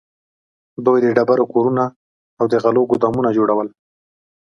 دوی د ډبرو کورونه او د غلو ګودامونه جوړول.